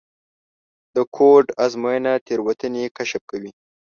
د کوډ ازموینه تېروتنې کشف کوي.